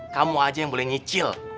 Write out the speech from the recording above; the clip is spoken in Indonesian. kamu aja yang boleh nyicil